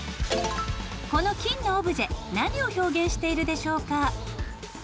この金のオブジェ何を表現しているでしょうか？